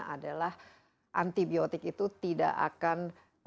adalah antibiotik itu tidak akan